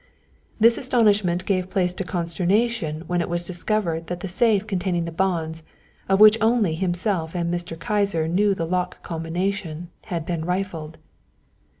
This astonishment gave place to consternation when it was discovered that the safe containing the bonds, of which only himself and Mr. Kyser knew the lock combination, had been rifled.